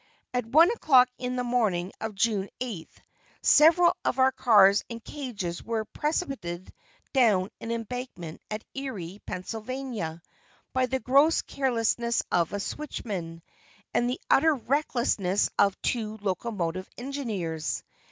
At 1 o'clock on the morning of June 8, several of our cars and cages were precipitated down an embankment at Erie, Penn., by the gross carelessness of a switchman, and the utter recklessness of two locomotive engineers.